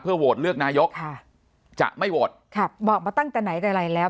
โหวตเลือกนายกค่ะจะไม่โหวตค่ะบอกมาตั้งแต่ไหนแต่ไรแล้ว